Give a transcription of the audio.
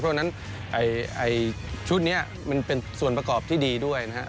เพราะฉะนั้นชุดนี้มันเป็นส่วนประกอบที่ดีด้วยนะครับ